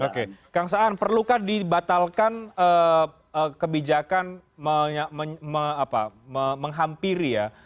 oke kang saan perlukah dibatalkan kebijakan menghampiri ya